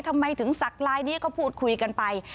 ทำไมถึงสักลายนี้ก็พูดคุยกันไป